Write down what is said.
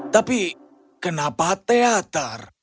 tapi kenapa teater